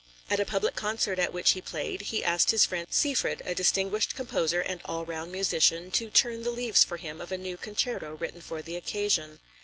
At a public concert at which he played, he asked his friend Seyfried, a distinguished composer and all round musician, to turn the leaves for him of a new concerto written for the occasion.